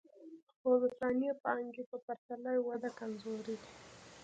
خو د ثابتې پانګې په پرتله یې وده کمزورې وي